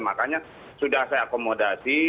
makanya sudah saya akomodasi